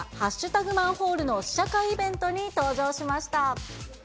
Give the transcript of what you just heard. マンホールの試写会イベントに登場しました。